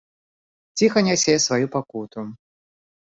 Ціха нясе сваю пакуту.